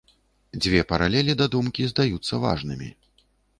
Дзве паралелі да думкі здаюцца важнымі.